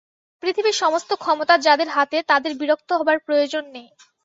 পৃথিবীর সমস্ত ক্ষমতা যাদের হাতে তাদের বিরক্ত হবার প্রয়োজন নেই।